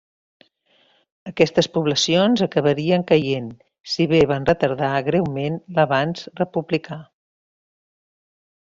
Aquestes poblacions acabarien caient, si bé van retardar greument l'avanç republicà.